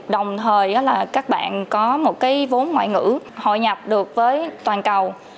đồng thời các bạn có một vốn ngoại ngữ hội nhập được với toàn cầu